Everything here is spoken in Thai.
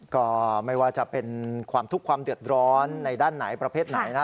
ก็ไม่ว่าจะเป็นความทุกข์ความเดือดร้อนในด้านไหนประเภทไหนนะ